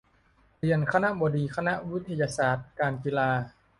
เรียน คณบดีคณะวิทยาศาสตร์การกีฬา